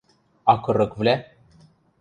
А кырыквлӓ?